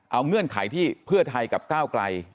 เอาเงื่อนไขที่เพื่อไทยกับก้าวไกล